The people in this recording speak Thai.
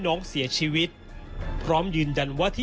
แม่จะมาเรียกร้องอะไร